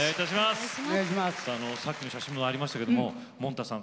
さっきの写真にもありましたけれども、もんたさん